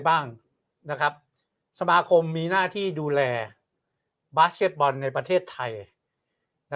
บ้างนะครับสมาคมมีหน้าที่ดูแลบาสเก็ตบอลในประเทศไทย